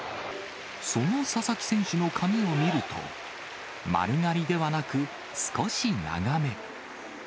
その佐々木選手の髪を見ると、丸刈りではなく、少し長め。